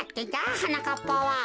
はなかっぱは。